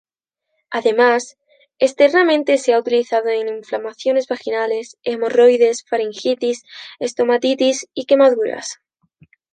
Además, externamente se ha utilizado en inflamaciones vaginales, hemorroides, faringitis, estomatitis y quemaduras.